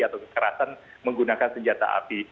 atau kekerasan menggunakan senjata api